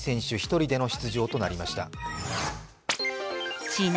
１人での出場となりました。